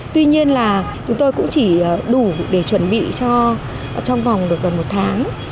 tuy nhiên là chúng tôi cũng chỉ đủ để chuẩn bị cho trong vòng được gần một tháng